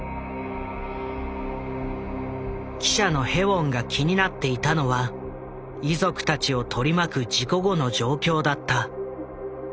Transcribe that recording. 記者のヘウォンが気になっていたのは遺族たちを取り巻く事故後の状況だった。